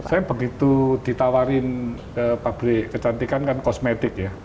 saya begitu ditawarin ke pabrik kecantikan kan kosmetik ya